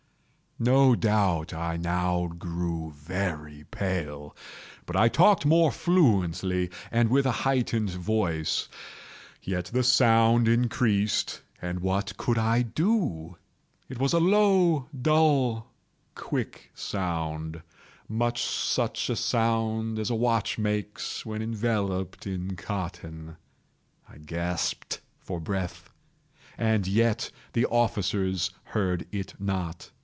No doubt I now grew very pale;—but I talked more fluently, and with a heightened voice. Yet the sound increased—and what could I do? It was a low, dull, quick sound—much such a sound as a watch makes when enveloped in cotton. I gasped for breath—and yet the officers heard it not.